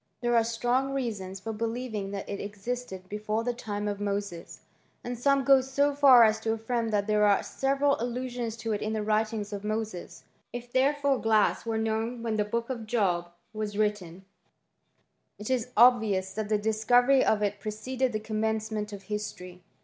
There are strong; reai^^ s for believing that it existed before the time of sea ; and some go so far as to affirm that there are 3ral allusions to it in the writings of Moses. If refore glass were known when the Book of Job was tten, it is obvious that the discovery of it preoeded commencement of history.